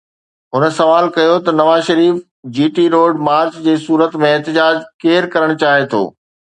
هن سوال ڪيو ته Nawaz Sharif G T Road march جي صورت ۾ احتجاج ڪير ڪرڻ چاهي ٿو؟